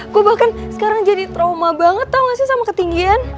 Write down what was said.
gue bahkan sekarang jadi trauma banget tau gak sih sama ketinggian